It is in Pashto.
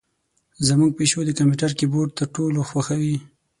زمونږ پیشو د کمپیوتر کیبورډ تر ټولو خوښوي.